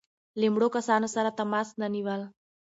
له مړو کسانو سره تماس نه نیول.